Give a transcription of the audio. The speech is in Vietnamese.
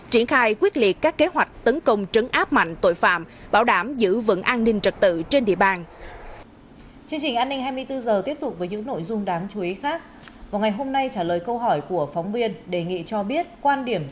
triển khai quyết liệt các kế hoạch tấn công trấn áp mạnh tội phạm bảo đảm giữ vững an ninh trật tự trên địa bàn